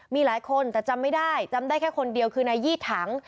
มีหลายคนแต่จำไม่ได้จำได้แค่คนเดียวคือนายยี่ถัง